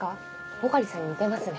穂刈さんに似てますね。